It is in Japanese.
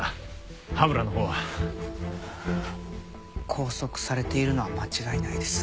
拘束されているのは間違いないです。